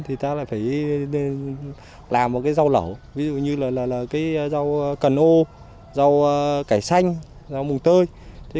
thì ta phải làm vào rau lẩu ví dụ như là rau cần ô rau cải xanh rau mùng tơi